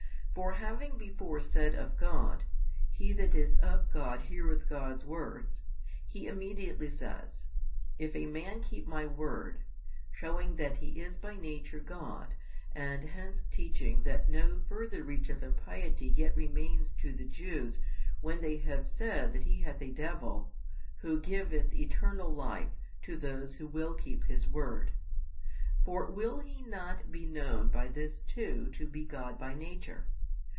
For having before said of God, He that is of God heareth God's words, He immediately says, If a man keep My word, shewing that He is by Nature God and hence teaching that no further reach of impiety yet remains to the Jews when they have said that He hath a devil Who giveth eternal Life to those who will keep His word. For will He not be known by this too to be God by Nature?